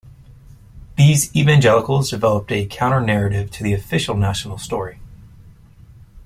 These Evangelicals developed a counter-narrative to the official national story.